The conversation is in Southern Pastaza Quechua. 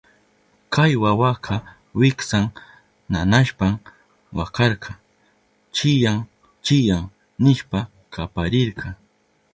Kay wawaka wiksan nanashpan wakarka, chiyán chiyán nishpa kaparirka.